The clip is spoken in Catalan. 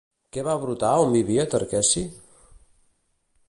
Què va brotar on vivia Tarqueci?